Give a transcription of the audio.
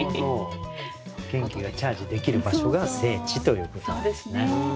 元気がチャージできる場所が聖地ということなんですね。